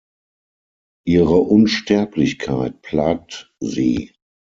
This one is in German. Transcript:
Ihre Unsterblichkeit plagt sie.